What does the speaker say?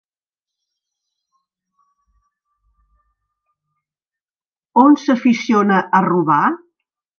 On s'aficionà a robar?